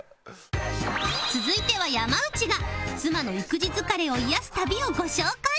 続いては山内が妻の育児疲れを癒やす旅をご紹介！